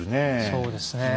そうですね。